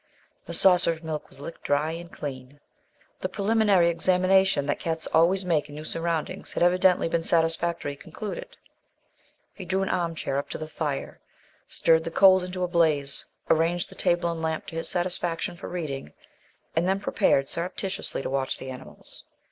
The saucer of milk was licked dry and clean; the preliminary examination that cats always make in new surroundings had evidently been satisfactorily concluded. He drew an arm chair up to the fire, stirred the coals into a blaze, arranged the table and lamp to his satisfaction for reading, and then prepared surreptitiously to watch the animals.